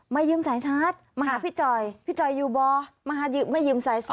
ยืมสายชาร์จมาหาพี่จอยพี่จอยอยู่บ่อมายืมสาย